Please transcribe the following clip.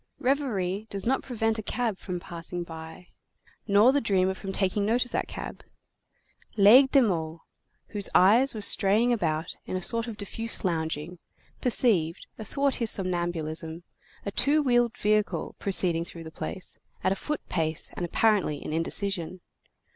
Reverie does not prevent a cab from passing by, nor the dreamer from taking note of that cab. Laigle de Meaux, whose eyes were straying about in a sort of diffuse lounging, perceived, athwart his somnambulism, a two wheeled vehicle proceeding through the place, at a foot pace and apparently in indecision.